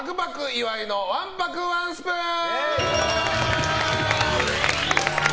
岩井のわんぱくワンスプーン。